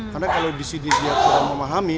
karena kalau di sini dia tidak memahami